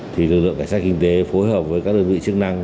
thì lực lượng cảnh sát kinh tế phối hợp với các đơn vị chức năng